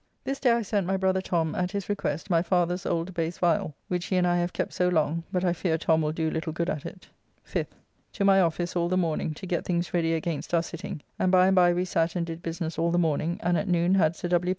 This day I sent my brother Tom, at his request, my father's old Bass Viall which he and I have kept so long, but I fear Tom will do little good at it. 5th. To my office all the morning, to get things ready against our sitting, and by and by we sat and did business all the morning, and at noon had Sir W.